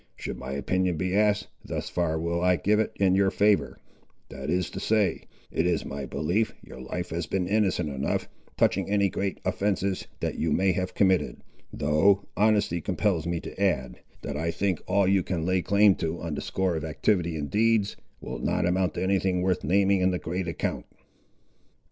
Should my opinion be asked, thus far will I give it in your favour; that is to say, it is my belief your life has been innocent enough, touching any great offences that you may have committed, though honesty compels me to add, that I think all you can lay claim to, on the score of activity in deeds, will not amount to any thing worth naming in the great account."